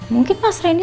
mungkin mas randy